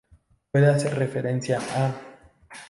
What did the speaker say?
Puede hacer referencia a